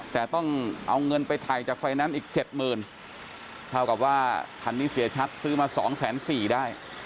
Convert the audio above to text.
แต่ต้องเอาเงินไปถ่ายจากไฟแนนซ์อีกเจ็ดหมื่นเท่ากับว่าคันนี้เสียชัดซื้อมาสองแสนสี่ได้